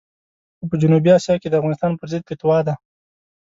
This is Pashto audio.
خو په جنوبي اسیا کې د افغانستان پرضد فتوا ده.